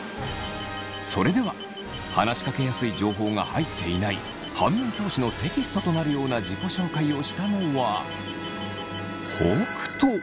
それでは話しかけやすい情報が入っていない反面教師のテキストとなるような自己紹介をしたのは北斗。